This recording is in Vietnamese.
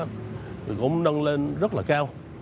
cũng nâng lên rất là cao